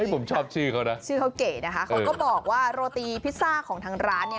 ผมชอบชื่อเขานะชื่อเขาเก๋นะคะเขาก็บอกว่าโรตีพิซซ่าของทางร้านเนี่ย